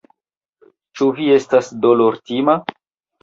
Ĉu vi estas dolortima?